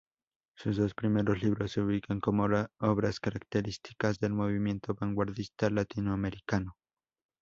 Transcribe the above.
Sus dos primeros libros se ubican como obras características del movimiento vanguardista latinoamericano.